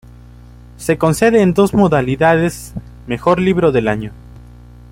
Se concede en dos modalidades mejor libro del año.